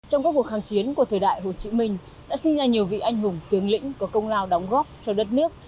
trong các cuộc kháng chiến của thời đại hồ chí minh đã sinh ra nhiều vị anh hùng tướng lĩnh có công lao đóng góp cho đất nước